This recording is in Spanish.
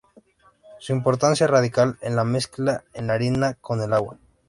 Su importancia radica en la mezcla de la harina con el agua.